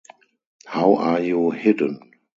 How are you hidden?